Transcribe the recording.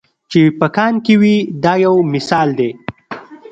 چې په کان کې وي دا یو مثال دی.